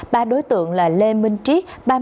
ba đối tượng là lê minh triết